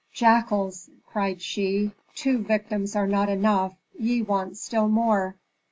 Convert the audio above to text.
"Jackals," cried she, "two victims are not enough; ye want still more.